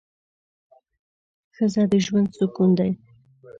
ښځه د ژوند سکون دی